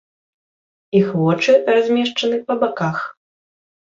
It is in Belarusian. Іх вочы размешчаны па баках.